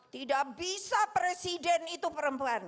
tidak bisa presiden itu perempuan